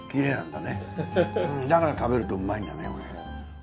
だから食べるとうまいんだねこれ。